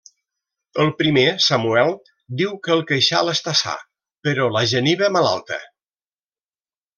El primer, Samuel, diu que el queixal està sa, però la geniva malalta.